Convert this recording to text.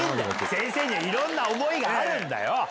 先生いろんな思いがあるんだよ。